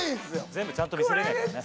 全部ちゃんと見せれないからね